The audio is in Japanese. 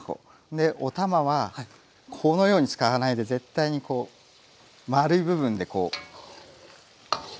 でお玉はこのように使わないで絶対にこう丸い部分でこう。